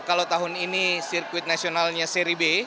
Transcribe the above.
kalau tahun ini sirkuit nasionalnya seri b